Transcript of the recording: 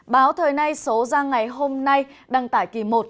báo thời nay số ra ngày hôm nay đăng tải kỳ một